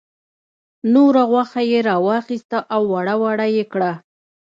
نوره غوښه یې را واخیسته او وړه وړه یې کړه.